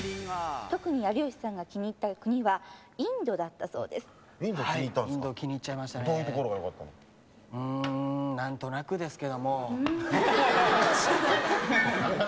特に有吉さんが気に入った国はインドだったそうですはいなんですよ